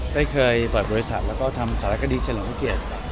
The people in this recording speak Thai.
ได้เคยเปิดบริษัทแล้วก็ทำสามารถดีชะล็งเวลาเกลียด